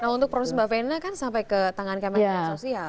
nah untuk proses mbak vena kan sampai ke tangan kementerian sosial